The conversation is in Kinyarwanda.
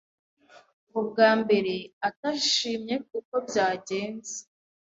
ngo bwa mbere atashimye uko byagenze